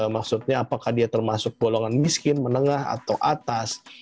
maksudnya apakah dia termasuk golongan miskin menengah atau atas